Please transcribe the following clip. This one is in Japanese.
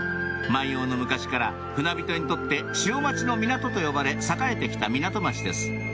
万葉の昔から船人にとって「潮待ちの港」と呼ばれ栄えて来た港町です